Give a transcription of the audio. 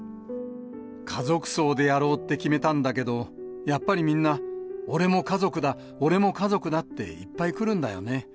家族葬でやろうって決めたんだけど、やっぱりみんな、俺も家族だ、俺も家族だって、いっぱい来るんだよね。